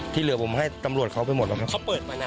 ที่เหลือผมให้ตำรวจเขาไปหมดแล้วครับ